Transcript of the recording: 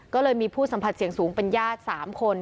ก็เลยมีผู้สัมผัสเสี่ยงสูงเป็นญาติ๓คน